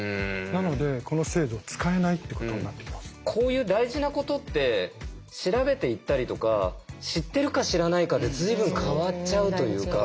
なのでこの制度を使えないってことになっています。こういう大事なことって調べていったりとか知ってるか知らないかで随分変わっちゃうというか。